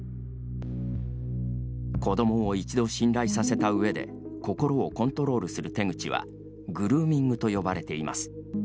子どもを一度信頼させた上で心をコントロールする手口は「グルーミング」と呼ばれています。